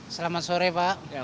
selamat sore pak